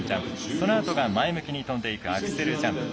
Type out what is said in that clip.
そのあとが前向きに跳んでいくアクセルジャンプ。